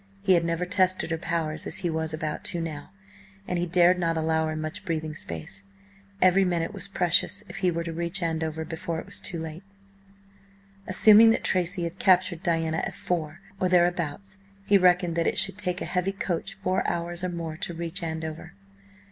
He had never tested her powers as he was about to now, and he dared not allow her much breathing space. Every minute was precious if he were to reach Andover before it was too late. Assuming that Tracy had captured Diana at four, or thereabouts, he reckoned that it should take a heavy coach four hours or more to reach Andover.